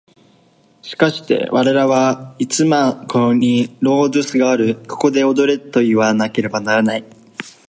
しかして我々はいつもここにロードゥスがある、ここで踊れといわなければならない。